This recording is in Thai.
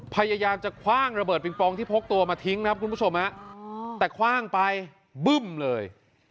พยายามจะคว่างระเบิดปิงปองที่พกตัวมาทิ้งครับคุณผู้ชมฮะแต่คว่างไปบึ้มเลย